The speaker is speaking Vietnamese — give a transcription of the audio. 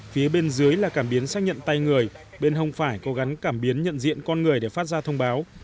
phía bên dưới là cảm biến xác nhận tay người bên hông phải có gắn cảm biến nhận diện con người để phát ra thông báo